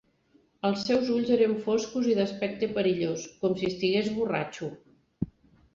Els seus ulls eren foscos i d'aspecte perillós, com si estigués borratxo.